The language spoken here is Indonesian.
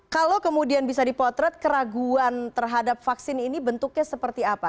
kalau kemudian bisa dipotret keraguan terhadap vaksin ini bentuknya seperti apa